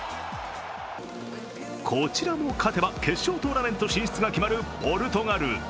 こちらも勝てば決勝トーナメント進出が決まるポルトガル。